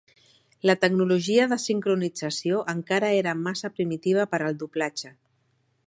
La tecnologia de sincronització encara era massa primitiva per al doblatge.